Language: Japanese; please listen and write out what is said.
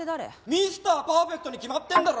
ミスター・パーフェクトに決まってんだろ。